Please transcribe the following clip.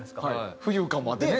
浮遊感もあってね。